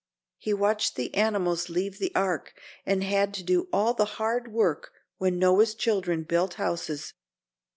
He watched the animals leave the Ark and had to do all the hard work when Noah's children built houses.